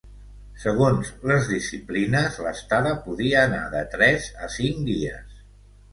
Segons les disciplines, l'estada podia anar de tres a cinc dies.